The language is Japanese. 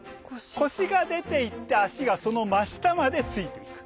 腰が出ていって脚がその真下までついていく。